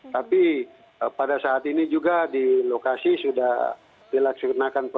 tapi pada saat ini juga di lokasi sudah dilaksanakan